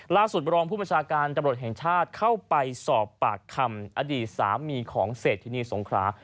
รองผู้ประชาการตำรวจแห่งชาติเข้าไปสอบปากคำอดีตสามีของเศรษฐินีสงครา